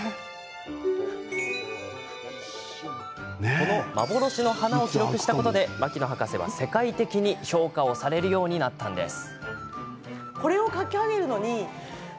この幻の花を記録したことで牧野博士は、世界的に評価されるようになりました。